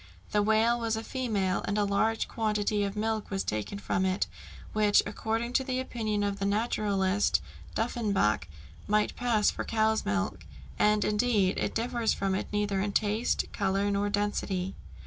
The whale was a female, and a large quantity of milk was taken from it, which, according to the opinion of the naturalist Duffenbach, might pass for cow's milk, and, indeed, it differs from it neither in taste, colour, nor density.